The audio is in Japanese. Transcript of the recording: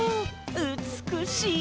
うつくしい！